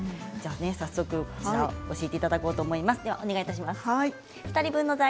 早速教えていただこうと思います。